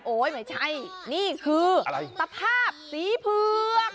โอ้ยไม่ใช่นี่คือตะภาพสีเผือก